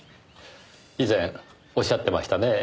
以前おっしゃってましたねえ。